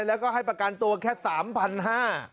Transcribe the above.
แล้วก็ให้ประกันตัวแค่๓๕๐๐บาท